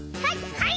はい！